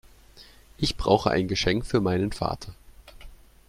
Ich brauche ein Geschenk für meinen Vater.